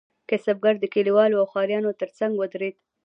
کسبګر د کلیوالو او ښاریانو ترڅنګ ودریدل.